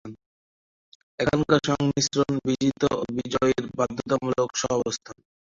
এখানকার সংমিশ্রণ বিজিত ও বিজয়ীর বাধ্যতামূলক সহাবস্থান।